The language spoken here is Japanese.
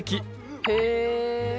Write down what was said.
へえ。